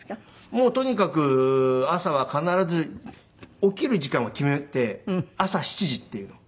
もうとにかく朝は必ず起きる時間を決めて朝７時っていうのを。